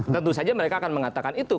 tentu saja mereka akan mengatakan itu